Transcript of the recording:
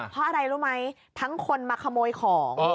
เพราะอะไรรู้ไหมทั้งคนมาขโมยของ